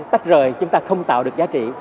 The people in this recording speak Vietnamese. tách rời chúng ta không tạo được giá trị